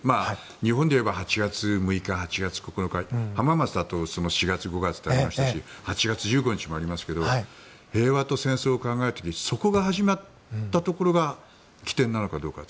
日本でいえば８月６日、８月９日浜松だと４月、５月とありましたし８月１５日もありますけど平和と戦争を考える時にそこが始まったところが起点なのかどうか。